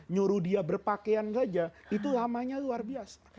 nyuruh dia berpakaian saja itu lamanya luar biasa